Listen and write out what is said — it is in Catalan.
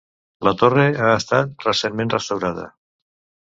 La torre ha estat recentment restaurada.